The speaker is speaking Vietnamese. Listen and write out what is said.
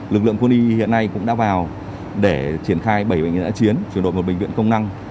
lực lượng quân y hiện nay cũng đã vào để triển khai bảy bệnh nhân đã chiến trường đội một bệnh viện công năng